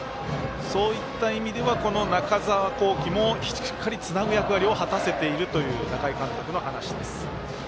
そういった意味では中澤恒貴もしっかりつなぐ役割を果たせているという仲井監督の話です。